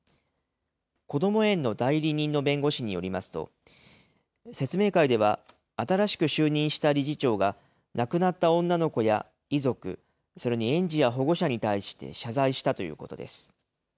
こども園の代理人の弁護士によりますと、説明会では新しく就任した理事長が、亡くなった女の子や遺族、それに園児や保護者に対して謝罪したということです。